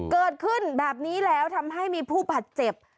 เกิดขึ้นแบบนี้แล้วทำให้มีผู้บาดเจ็บ